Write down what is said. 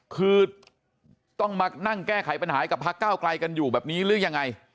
คือต้องมานั่งแก้ไขปัญหากับพักเก้าไกลกันอยู่แบบนี้หรือยังไง